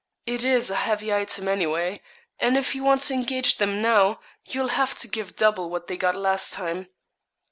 It is a heavy item any way; and if you want to engage them now, you'll have to give double what they got last time.'